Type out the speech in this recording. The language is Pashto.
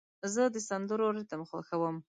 زه د سندرو ریتم خوښوم.